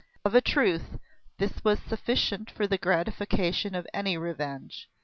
Of a truth this was sufficient for the gratification of any revenge.